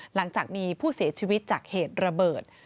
หลังจากมีผู้เสียชีวิตจากเหตุระเบิด